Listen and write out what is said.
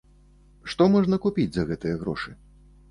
Што можна купіць за гэтыя грошы?